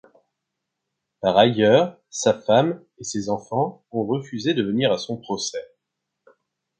Par ailleurs, sa femme et ses enfants ont refusé de venir à son procès.